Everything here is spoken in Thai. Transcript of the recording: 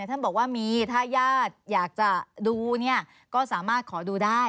ท่านบอกว่ามีถ้าญาติอยากจะดูเนี่ยก็สามารถขอดูได้